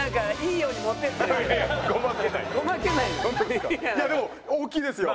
いやでも大きいですよ。